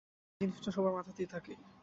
এ জিনিসটা সবার মাথাতেই থাকেই।